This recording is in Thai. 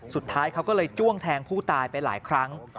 สุดท้ายเขาก็เลยจ้วงแทงผู้ตายไปหลายครั้ง